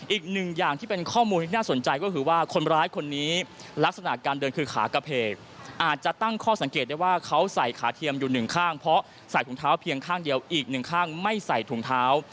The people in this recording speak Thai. อีกหนึ่งอย่างที่เป็นข้อมูลที่น่าสนใจก็คือว่าคนร้ายคนนี้ลักษณะการเดินคือขากระเพกอาจจะตั้งข้อสังเกตได้ว่าเขาใส่ขาเทียมอยู่หนึ่งข้างเพราะใส่ถุงเท้าเพียงข้างเดียวอีกหนึ่งข้างไม่ใส่ถุงเท้า